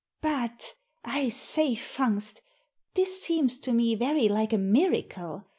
"But, I say, Fungst, this seems to me very like a miracle.